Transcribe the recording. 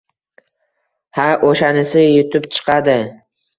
Ha, o‘shanisi yutib chiqadi.